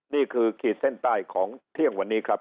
ขีดเส้นใต้ของเที่ยงวันนี้ครับ